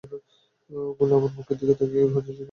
অমূল্য আমার মুখের দিকে তাকিয়ে হাত জোড় করে বললে, বন্দেমাতরং!